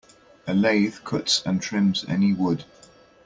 A lathe cuts and trims any wood.